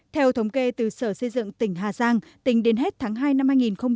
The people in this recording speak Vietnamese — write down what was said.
theo thống kê từ sở xây dựng tỉnh hà giang tỉnh đến hết tháng hai năm hai nghìn một mươi bảy